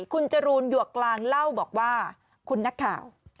คุณจรูนหยวกกลางเล่าบอกว่าคุณนักข่าว